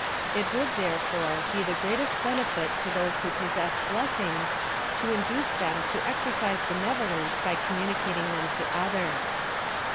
It would, therefore, be the greatest benefit to those who possessed blessings, to induce them to exercise benevolence by communicating them to others.